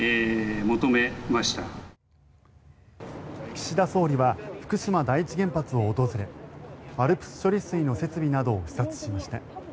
岸田総理は福島第一原発を訪れＡＬＰＳ処理水の設備などを視察しました。